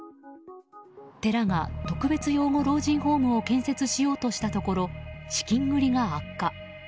寺が特別養護老人ホームを建設しようとしたところ資金繰りが悪化。